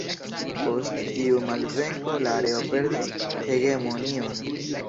Post tiu malvenko la areo perdis hegemonion.